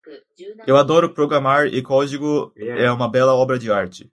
Eu adoro programar e o código é uma bela obra de arte.